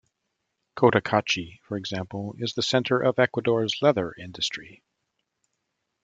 Cotacachi, for example, is the center of Ecuador's leather industry.